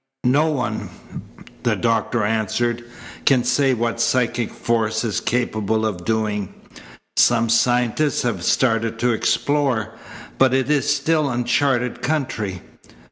"No one," the doctor answered, "can say what psychic force is capable of doing. Some scientists have started to explore, but it is still uncharted country.